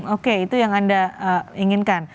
oke itu yang anda inginkan